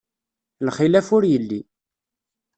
Lxilaf ur yelli.